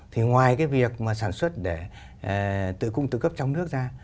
thì ngoài cái việc mà sản xuất để tự cung tự cấp trong nước ra